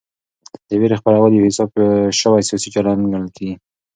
د وېرې خپرول یو حساب شوی سیاسي چل ګڼل کېږي.